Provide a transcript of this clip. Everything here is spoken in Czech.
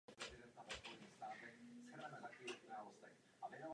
Ostrov je horizontálně i vertikálně velmi členitý.